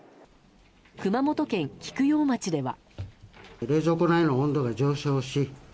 熊本県菊陽町では。